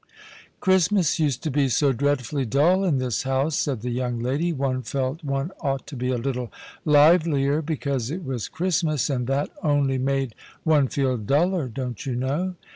" Christmas used to be so dreadfully dull in this house," said the young lady. " One felt one ought to be a little livelier because it was Christmas, and that only made one feel duller, don't you know.